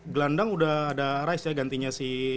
gelandang udah ada rice ya gantinya si